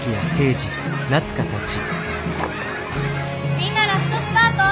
みんなラストスパート！